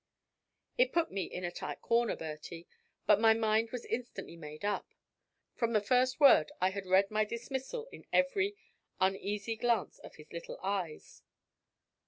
It put me in a tight corner, Bertie; but my mind was instantly made up. From the first word I had read my dismissal in every uneasy glance of his little eyes.